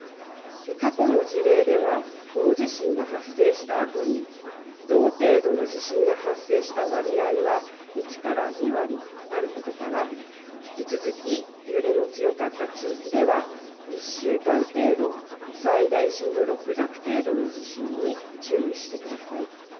過去の事例では大地震が発生したあとに同程度の地震が発生した割合は１から２割あることから引き続き揺れの強かった地域では１週間程度、最大震度６弱程度の地震に注意してください。